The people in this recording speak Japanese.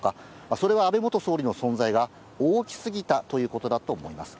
それは安倍元総理の存在が大きすぎたということだと思います。